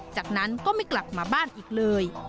จากนั้นก็ไม่กลับมาบ้านอีกเลย